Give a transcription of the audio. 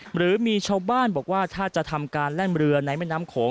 หรือมีชาวบ้านบอกว่าถ้าจะทำการแล่นเรือในแม่น้ำโขง